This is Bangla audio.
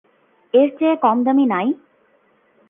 এর চেয়ে কমদামি নাই?